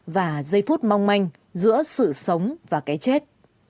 và giây phút mong manh giữa sự sống và cái chết